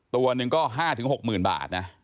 ตัวหนึ่งก็๕๖หมื่นบาทนะ